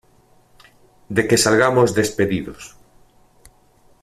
de que salgamos despedidos.